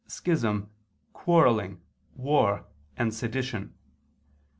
schism, quarrelling, war, and sedition.